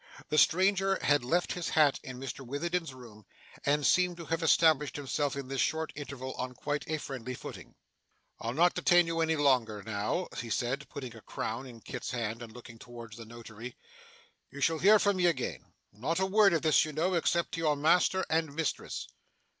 The stranger had left his hat in Mr Witherden's room, and seemed to have established himself in this short interval on quite a friendly footing. 'I'll not detain you any longer now,' he said, putting a crown into Kit's hand, and looking towards the Notary. 'You shall hear from me again. Not a word of this, you know, except to your master and mistress.